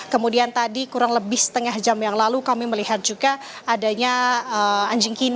kemudian tadi kurang lebih setengah jam yang lalu kami melihat juga adanya anjing kina